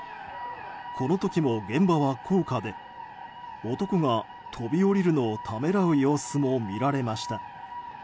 この時も現場は高架で男が飛び降りるのをためらう様子も見られました。